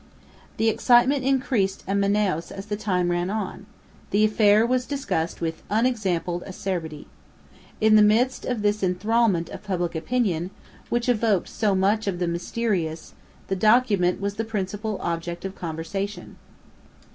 The excitement increased in Manaos as the time ran on; the affair was discussed with unexampled acerbity. In the midst of this enthralment of public opinion, which evoked so much of the mysterious, the document was the principal object of conversation.